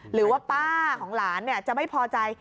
หรือว่าป้าของหลานจะไม่พอใจ